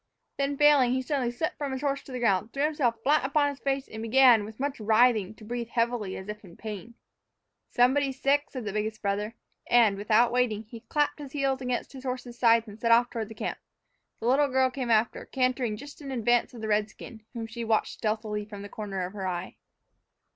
Then, failing, he suddenly slipped from his horse to the ground, threw himself flat upon his face, and began, with much writhing, to breathe heavily, as if in great pain. "Somebody's sick," said the biggest brother, and, without waiting, he clapped his heels against his horse's sides and set off toward the camp. The little girl came after, cantering just in advance of the redskin, whom she watched stealthily from the corner of her eye.